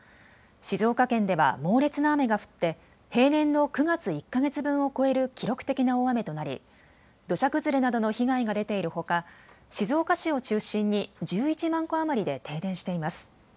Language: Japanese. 静岡県では猛烈な雨が降って平年の９月１か月分を超える記録的な大雨となり土砂崩れなどの被害が出ているほか静岡市を中心に１１万戸余りで停電しています。